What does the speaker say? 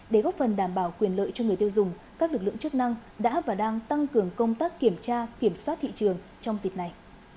để góp phần đảm bảo quyền lợi cho người tiêu dùng các lực lượng chức năng đã và đang tăng cường công tác kiểm tra kiểm soát thị trường trong dịp này